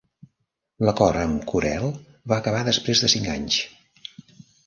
L'acord amb Corel va acabar després de cinc anys.